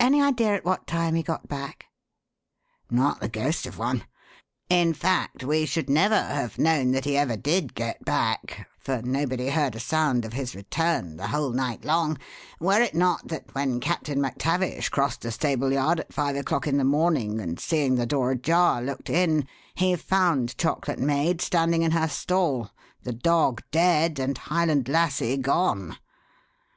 Any idea at what time he got back?" "Not the ghost of one. In fact, we should never have known that he ever did get back for nobody heard a sound of his return the whole night long were it not that when Captain MacTavish crossed the stable yard at five o'clock in the morning and, seeing the door ajar, looked in, he found Chocolate Maid standing in her stall, the dog dead, and Highland Lassie gone.